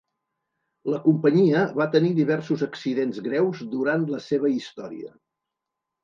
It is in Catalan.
La companyia va tenir diversos accidents greus durant la seva història.